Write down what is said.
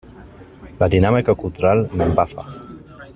La dinàmica cultural m'embafa.